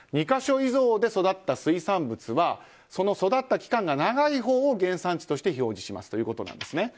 ２か所以上で育った水産物はその育った期間が長いほうを原産地として表示しますということなんです。